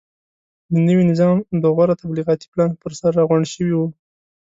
د نوي نظام د غوره تبلیغاتي پلان پرسر راغونډ شوي وو.